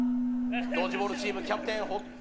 ドッジボールチームキャプテン堀田